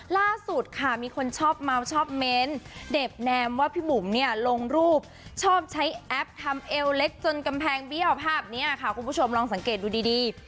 ล่าสุดค่ะมีคนชอบเมาชอบเม้นเด็บแนมว่าพี่บุ๋มเนี่ยลงรูปชอบใช้แอปทำเอวเล็กจนกำแพงเบี้ยวภาพนี้ค่ะคุณผู้ชมลองสังเกตดูดี